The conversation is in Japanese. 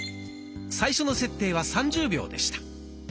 最初の設定は３０秒でした。